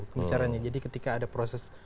pembicaranya jadi ketika ada proses